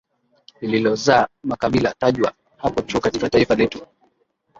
lililozaa makabila tajwa hapo juu katika taifa letu